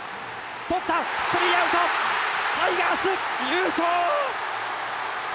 捕った３アウトタイガース優勝